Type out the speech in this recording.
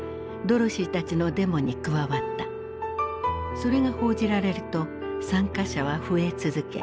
それが報じられると参加者は増え続け